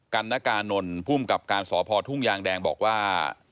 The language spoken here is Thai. กันนะกาหน่นผู้อุ่มกับการสอบพอทุ่งยางแดงบอกว่า